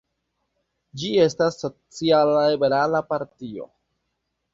Ĝi estas social-liberala partio.